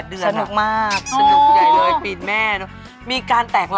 เขาไม่มีห้ามเนอะ